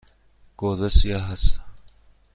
گربه سیاه است.